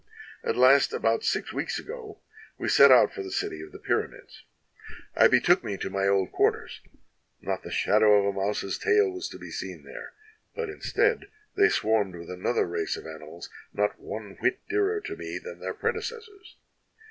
"At last, about six weeks ago, we set out for the city of the Pyramids. I betook me to my old quarters; not the shadow of a mouse's tail was to be seen there, but instead, they swarmed with another race of animals not one whit dearer to me than their predecessors.